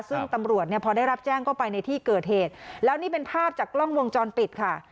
ซึ่งตำรวจเนี่ยพอได้รับแจ้งก็ไปในที่เกิดเหตุแล้วนี่เป็นภาพจากกล้องวงจรปิดค่ะ